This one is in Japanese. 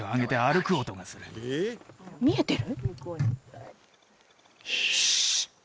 見えてる？